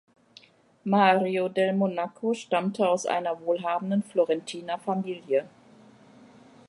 Mario Del Monaco stammte aus einer wohlhabenden Florentiner Familie.